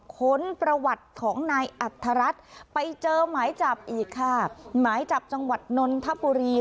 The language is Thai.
ค้นประวัติของนายอัธรัฐไปเจอหมายจับอีกค่ะหมายจับจังหวัดนนทบุรี